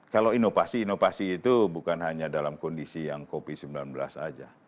kalau inovasi inovasi itu bukan hanya dalam kondisi yang covid sembilan belas saja